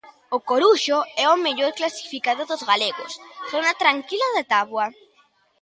O Coruxo é o mellor clasificado dos galegos, zona tranquila da táboa.